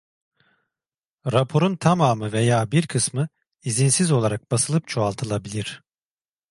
Raporun tamamı veya bir kısmı izinsiz olarak basılıp çoğaltılabilir.